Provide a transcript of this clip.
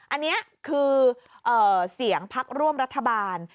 อันนี้คือเสียงพักร่วมรัฐบาล